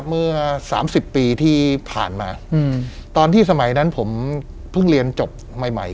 เมื่อสามสิบปีที่ผ่านมาตอนที่สมัยนั้นผมเพิ่งเรียนจบใหม่ใหม่